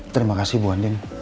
terima kasih bu andin